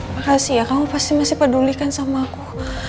makasih ya kamu pasti masih pedulikan sama aku